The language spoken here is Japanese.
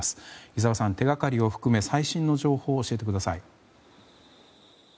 井澤さん、手掛かりを含め最新の情報を教えてください。